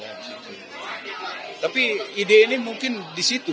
tapi ide ini mungkin di situ